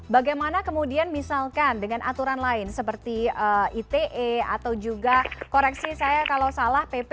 bagaimana kemudian misalkan dengan aturan lain seperti ite atau juga koreksi saya kalau salah pp